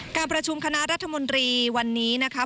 การประชุมคณะรัฐมนตรีวันนี้นะคะ